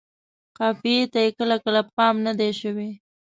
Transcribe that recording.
قافیې ته یې کله کله پام نه دی شوی.